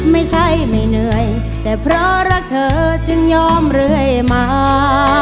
ไม่ใช่ไม่เหนื่อยแต่เพราะรักเธอจึงยอมเรื่อยมา